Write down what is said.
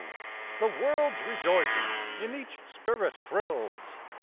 the world's rejoicing in each spirit thrills.